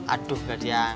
aduh gak diangkat